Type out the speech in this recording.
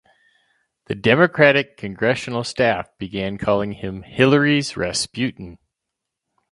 The Democratic congressional staff began calling him "Hillary's Rasputin".